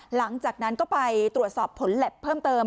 หลังจากนั้นก็ไปตรวจสอบผลแล็บเพิ่มเติม